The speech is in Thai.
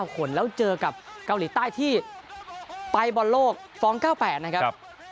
เกาหลีใต้ที่ไปบนโลกฟอง๙๘นะครับ